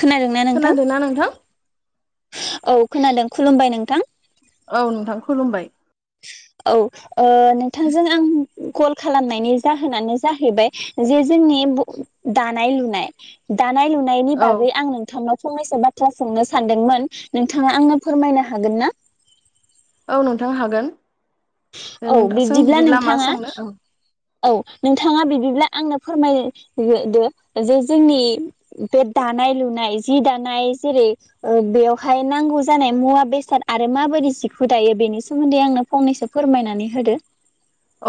खोनादोंना नोंथां खोनादोंना नोंथां? औ खोनादों खुलुमबाय नों थां। औ नोंथां खुलुमबाय। औ। ओ नोंथांजों आं कल खालामनायनि जाहोनानो जाहैबाय जे जोंनि बु दानाय लुनाय दा नाय लुनायनि औ बागै आं नोंथांनाव फंनैसो बाथ्रा सोंनो सानदोंमोन नोंथाङा आंनो फोरमायनो हागोन ना? औ नोंथां हागोन। औ नोंथा सों बिब्दिब्ला बिदिब्ला मा नोंथाङा सोंनो औ। औ नोंथाङा बिदिब्ला आंनो फोरमाय दो। जे जोंनि बे दानाय लुनाय जि दानाय जेरै बेओ वहाय नांगौ जानाय मुवा बेसाद आरो माबोरदि जिखौ दायो बेनि सोमोन्दै आंनो फंनैसो फोरमायनानै होदो।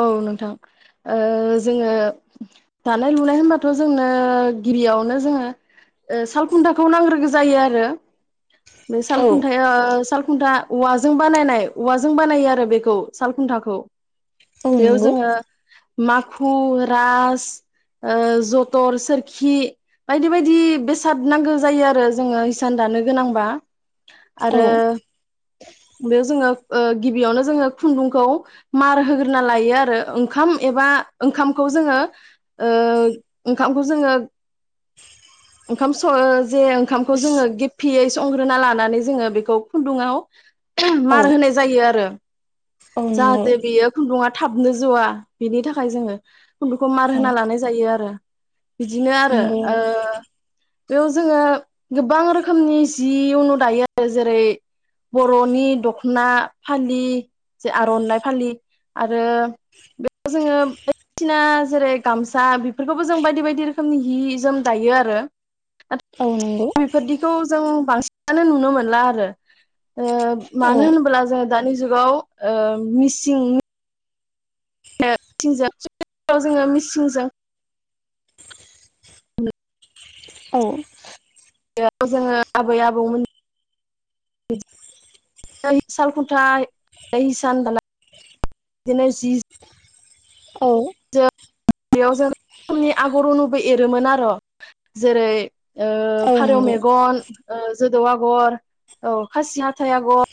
औ नोंथां ओ जोङो दानाय लुनाय होनबाथ' जोंनो ओ गिबियवनो जोङो सालखुन्थाखौ नांग्रोगो जायो आरो। बे औ सालखुन्थाया साल खुन्था औवाजों बानायनाय औवाजों बानायो आरो बेखौ साल खुन्थाखौ। औ बेयाव नंगौ जोङो माखु रां स जथर सोरखि बायदि बायदि बेसाद नांगौ जायो आरो जोङो इिसान दानो गोनांबा। औ आरो बेयाव जोङो ओ गिबियावनो जोङो खुन्दुंखौ मार होग्रो नालायो आरो ओंखाम एबा ओंखामखौ जोङो ओ ओंखामखौ जोङो ओंखाम सङ जों जे ओंखामखौ जोङो गेबफेयै संग्रोना लानानै जोङो बेखौ खुन्दुाव औ मार होनाय जायो आरो। औ नोंगौ। सुबङा थाबनो ज'आ बिनि थाखाय जोङो खुन्दुंखौ मार औ होना लानाय जायो आरो। बिदिनो आरो नंगौ ओ बेयाव जों गोबां रोखोमनि जि उनु दायो आरो जेरै बर'नि दख'ना फालि आर'नाय फारि। आरो बेयाव जोङो बायदिसिना जेरै गामसा बेफोरखौबो जों बायदि बायदि रोखोमनि हि जोम दायो आरो। औ [unintelligible] नंगौ बेफोरदिखौ जों बांसिनानो नुनो मोनला आरो ओ औ मानो होनोब्ला जोङो दानि जुगाव ओ मिसिं [unintelligible] जोङो मिसिंजों औ बे जोङो आबै आबौमोन हि साल खुन्था हिसान दानाय बिदिनो जि औ बेयाव जों रोखोमनि आगरुनुबो एरोमोन आरो जेरै औ फारौ नंगौ मेगन जोदौ आग'र औ खासि हाथाइ आगर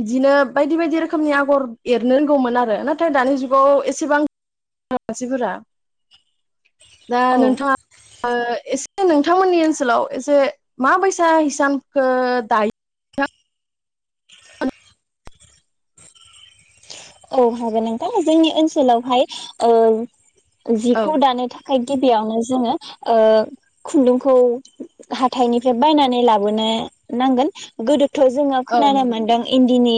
बिदिनो बायदि बायदि रोखोमनि आगर एरनो रोंगौमोन आरो नाथाय दानि जुगाव एसेबां आसिगुरा दा औ नोंथाङा ओ एसे नोंथांमोननि ओनसोलाव एसे माबैसा हिसानखो दायो? औ हागोन नोंथां जोंनि ओनसोलावहाय ओ औ जिखौ दानो थाखाय गिबियावनो जोङो ओ खुन्दुंखौ हाथाइनिफ्राय बायनानै लाबोनो नांगोन गोदो थ जोङो औ खोनानो नंगौ मोन्दों इन इन्दिनि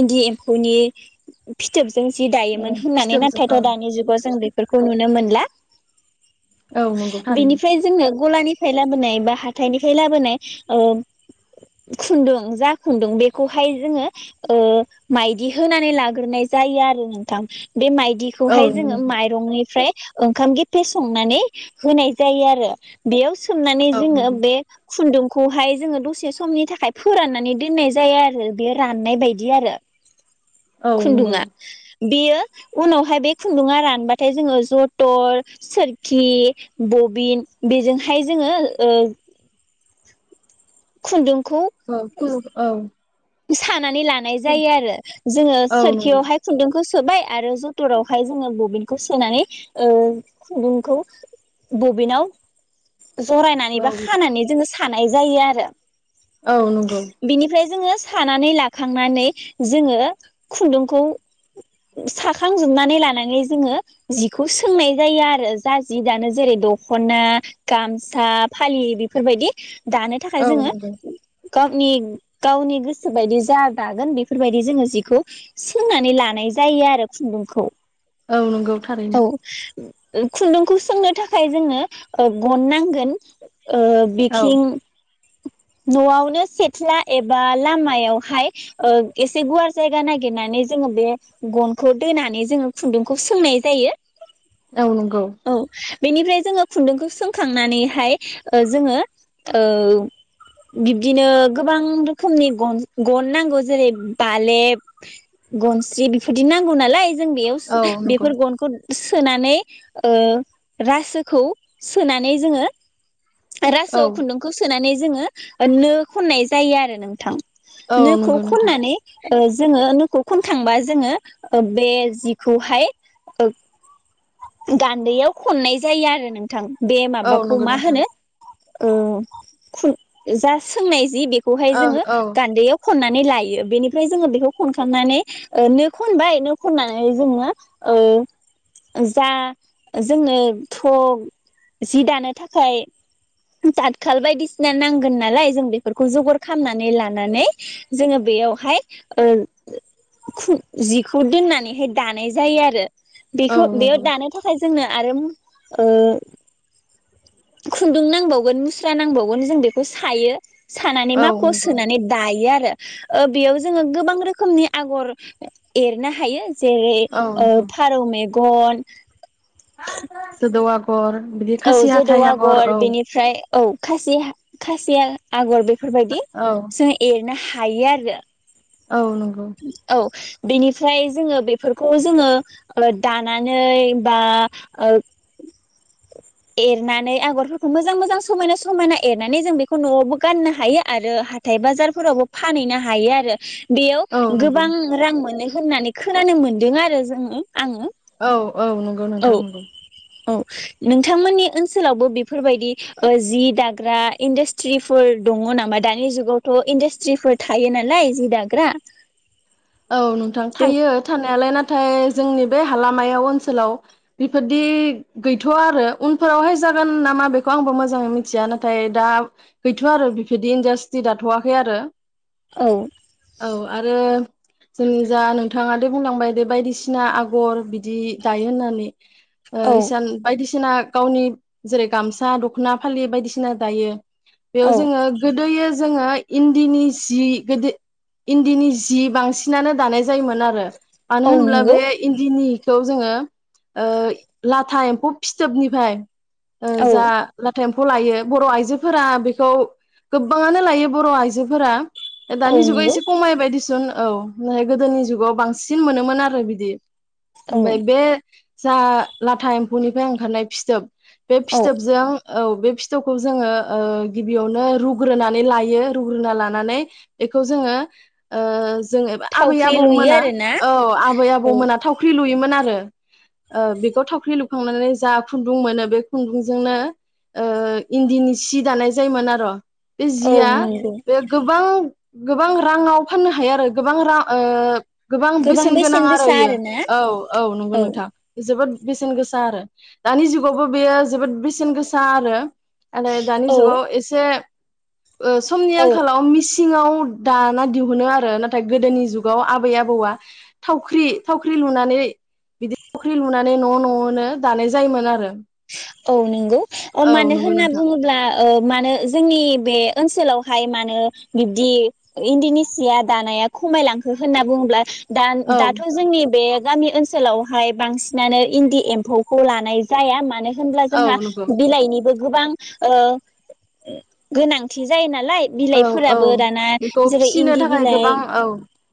इन्दि एम्फौनि फिथोब जों जि दायोमोन औ होननानै फिथोबजों नाथायथदानि जुगाव जों बेख बेफोरखौ नुनो मोनला औ नंगौथारैनो बेनिफ्राय जोंनो गलानिफ्राय लाबोनाय बा हाथायनिफ्राय लाबोनाय ओ खन्दुं जा खुन्दुं बेखौहाय जोङो ओ माइदि होनानै ला गोरनाय जायो आरो नोंथां। बे औ माइदिखौहाय जोङो नंगौ माइरंनिफ्राय ओंखाम गेफे संनानै होनाय जायो आरो बेयाव सोमनानै औ जोङो नंगौ बे खुुनदुं खौहाय जोङो दसे समनि थाखाय फोराननानै दोननाय जायो आरो बेयो राननाय बायदि आरो औ नंगौ खुन्दुङा बेयो उनावहाय बे खुन्दुङा रानबाथाय जोङो जथर सोरखि बबिन बेजोंहाय जोङो ओ खुन्दुं औ औ इसान नानै लानाय जायो आरो जोङो औ सोरखिआवहाय खुन्दुंखौ सोना सोबाय आरो जथरावहाय जोङो बबिनखौ सोनानै ओ खुन्दुंखौ बबिनाव जरायनानै बा खानानै जोङो थानाय जायो आरो नंगौ बिनिफ्राय जोङो सानानै लाखांनानै जोङो खुन्दुंखौ साखांजोबनानै लानानै जोङो जिखौ सोंनाय जायो आरो जा जि दानो जेरै दखना गामसा फालि बेफोरबायदि दानो थाखाय औ जोङो नंगौ गावनि गावनि गोसो बायदि जा दागोन बेफोरबायदि जोङो जिखौ सोंनानै लानाय जायो आरो खुन्दुंखौ औ नंगौ थारैनो ओ खुन्दुंखौ सोंनो थाखाय जोङो ओ गन नांगोन ओ औ बिथिं न'आवनो सेथ्ला एबा लामायावहाय ओ एसे गुवार जायगा नागिरनानै जोङो बे गनखौ दोनानै जोङो खुन्दुंखौ सोंनाय जायो औ नंगौ औ बेनिफ्राय जोङो खुन्दुंखौ सोंखांनानैहाय ओ जोङो ओ बिब्दिनो गोबां रोखोमनि गन गन नांगौ जेरै बालेब गनस्रि बेफोरदि नांगौ नालाय जों बेयाव औ नंगौ बेफोर गनखौ सोनानै ओ रासोखौ सोनानै जोङो औ रासोआव खुन्दुंखौ सोनानै जोङो नो खननाय जायो आरो नोंथां औ नोखौ नंगौ नोंथां खननानै ओ जोङो नोंखौ खनखांबा जोङो ओ बे जिखौहाय ओ गान्दैयाव खननाय जायो आरो नों थां बे औ माबाखौ नंगौ मा नोंथां होनो ओ खु जा सोंनाय जि बेखौहाय औ जोङो औ गान्दैयाव खननानै लायो बेनिफ्राय जोङो बेखौ खनखांनानै ओ नो खनबाय नो खननानै जोङो ओ जा जोंनो थक जि दानो थाखाय दाथखाल बायदिसि ना नांगोन नालाय जों बेफोरखौ जगार खालामनानै लानानै जोङो बेयावहाय ओ खु जिखौ दोननानैहाय दानाय जायो आरो औ बेखौ बेयाव नंगौ दानो थाखाय जोंनो आरो ओ खुन्दुं नांबावगोन मुस्रा नांबावगोन जों बेखौ सायो सानानै औ माखुवाव नंगौ सोनानै दायो आरो ओ बेयाव जोङो गोबां रोखोमनि आगर एरनो हायो जेरै औ ओ नंगौ फारौ मे गन जोदौ आगर बिदि औ खासि जोदौ हाथाइ आगर औ बेनिफ्राय औ खासि-खासिया आगर बे बेफोरबायदि औ जों एरनो हा हायो आरो औ नंगौ औ बेनिफ्राय जोंङो बेफोरखौ जोंङो दानानै बा ओ एरनानै आगरफोरखौ मोजां मोजां समायना समायना एरनानै जों बेखौ नआवबो गाननो हायो आरो हाथाय बाजारफोरावबो फानहैनो हायो आरो औ बेयाव नंगौ गोबां रां मोनो होननानै खोनानो मोनदों आरो जोंङो आंङो औ औ नंगौ नोंथाङा नंगौ औ नोंथांमोननि ओनसोलावबो बेफोरबायदि ओ जि दाग्रा इन्डास्ट्रिफोर दंङ नामा दानि जुगावथ इन्डास्ट्रिफोर थायो नालाय जि दाग्रा औ नोंथां जों थायो थानायालाय ना नाथाय जोंनि बे हालामायाव ओनसोलाव बिफोरदि गैथवा आरो उनफोरावहाय जागोन नामा बेखौ आंबो मोजांङै मिथिया नाथाय दा गैथवआरो बिफोरदि इन्डास्ट्रि दाथवाखैआरो औ आरो जोंनि जा नोंथाङा दे बुंलांबाय दे बायदिसिना आगर बिदि दायो होननानै ओ औ इसान बायदिसि [unintelligible] बायदिसिना गावनि जेरै गामसा दखना फालि बायदिसिना दायो बेयाव औ जोंङो गोदोयो जोंङो इन्दिनि जि बांसिन बांसिनानो दानाय जायोमोन आरो मानो औ होनब्ला नंगौ बे इन्दिनि खौ जोंङो ओ लाथा एम्फौ फिथोबनिफ्राय ओ औ जा एम्फौ लायो बर आइजोफोरा बेखौ गोबांङानो लायो बर आइजोफोरा औ दानि जुगा नंगौ एसे खमायबायाय दिसुन औ ओफ्राय गोदोनि जुगाव बांसिन मोनोमोन आरो बिदि औ उम बाय बे जा लाथा एम्फौनिफ्राय ओंखारनाय फिथोब बे औ फिथोबजों औ बे फिथौखौ जोंङो ओ गिबियावनो रुग्रोनानै लायो रुग्रोना लानानै बेखौ ओ जोंङो जों आबै थावख्रि लुयो आबौमोना आरोना औ आबै औ आबौमोना थावख्रि लुयोमोन आर आरो ओ बेखौ थावख्रि लुखांनानै जा खुन्दुं मोनो बे खुन्दुंजोंनो ओ इन्दिनि सि दानाय जायोमोनआरो बे औ जिया नंगौ बे गोबां गोबां रांङाव फाननो हायो आरो गोबां रां ओ गोबां बेसेन गोनां आरो इयो औ औ नंगौ नोंथां जोबोद बेसेन गोसा आरो दानि जुगावबो बेयो जोबोद बेसेन गोसा आरो आरो दानि औ जुगाव एसे ओ समनि औ आंखालाव मिसि सिङाव दाना दिहुनो आरो नाथाय गोदोनि जुग गाव आबै आबौआ थावख्रि थावख्रि लुनानै बिदि थावख्रि लुनानै न' न'नो दानाय जायोमोन आरो औ नंगौ औ मानो नंगौ होनना नोंथां बुङोब्ला ओ मानो जोंनि बे ओनसोलावहाय मानो बिब्दि इनदिनि सिया दानाया खमायलांखो होनना बुङोब्ला दा औ दाथ' जोंनि बे गामि ओनसोलावहाय बांसिनानो इन्दि एम्फौखौ लानाय जाया मानो मानो होनब्ला औ जोंहा नंगौ बिलाइनिबो गोबां ओ गोनांथि जायो ना लाय औ औ बिलाइफोराबो दाना बेखौ जेरै फिसिनो इन्दि थाखाय गोबां बिलाइ औ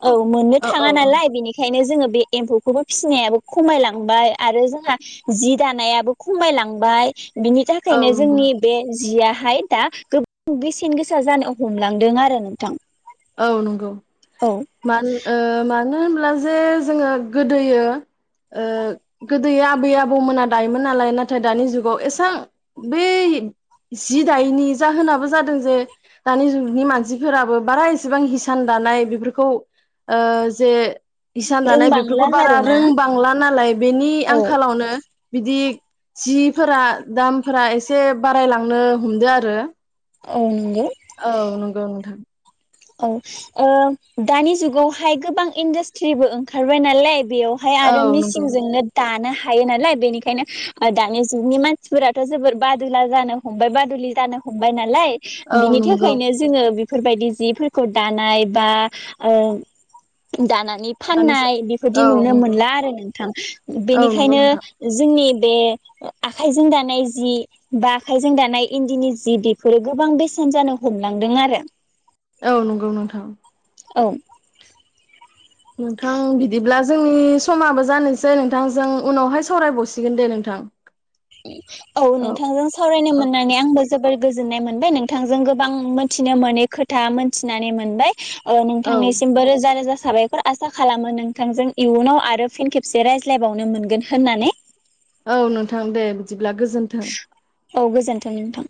औ मोननो औ औ थाङा नालाय बेनिखायनो जों जोङो बे एम्फौखौबो फिसिनायाबो खमायलांबाय आरो जोंहा जि दानायाबो खमायलांबाय बिनि औ थाखायनो नंगौ जोंनि बे जिया हाय दा गोबां बेसेन गोसा जानो हमलांदों आरो नोंथां औ नंगौ औ मान ओ मानो होन हला जे जोङो गोदोयो ओ गोदोयो आबै आबौमोना दायोमोन नालाय नाथाय दानि जुगाव एसां बै जि दायैनि जाहोनाबो जादों जे दानि जुगनि मानसिफोराबो बारा एसेबां हिसान दानाय बेफोरखौ बे खौ ओ जे इसान दानाय बेफोरखौ रोंबांला बारा आरोना रोंबांला नालाय बेनि औ आंखालावनो बिदि जिफोरा दामफोरा एसे बारायलांनो हमदो आरो औन औ नंगौ नथां औ ओ दानि जुगावहाय गोबां इन्डासट्रिबो ओंखारबाय नालाय बेयावहाय औ आरो नंगौ मिेसिंजोंनो दानो हा थायो नालाय बेनिखायनो दानि जुगनि मानसिफोराथ' जोबोर बादुला जानो हमबाय बादुलि जानो हमबाय नालाय औ बिनि नंगौ थाखायनो जोङो बेफोरबायदि जिब फोरखौ दानाय बा ओ दानानै नि दानिसो फाननाय बेफोरदि औ नुनो नंगौ मोनला आरो नोंथां औ नंगौ बेनिखायनो नोंथां जोंनि बे आखाइजों दानाय जि बा आखाइजों दानाय इन्दिनि जि बेफोरो गोबां बेसेन जानो हमलांदों आरो। औ नंगौ नोंथां। औ। नोंथां बिदिब्ला जोंनि समाबो जानोसै नोंथांजों उनावहाय सावरायबावसिगोन दे नोंथां। औ नोंथांजों सावरायनो औ मोननानै आंबो जोबोर गोजोननाय मोनबाय नोंथांजों गोबां मोनथिनो मोनै खोथा मोनथिनानै मोनबाय। औ नोंथांनिसिमबो रोजा रोजा साबायखर आसा खालामो नोंथांजों इयुनाव आरो फिन खेबसे रायज्लायबावनो मोनगोन होननानै। औ नोंथां दे बिदिब्ला गोजोन्थों औ गोजोनथों नोंथां।